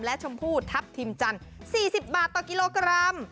และชมพู่ทัพทิมจันทร์๔๐บาทต่อกิโลกรัม